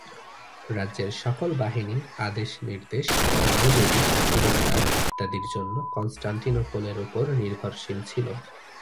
রাজ্যের সকল বাহিনী আদেশ-নির্দেশ ও মজুরি, পুরস্কার ইত্যাদির জন্য কনস্টান্টিনোপলের ওপর নির্ভরশীল ছিল।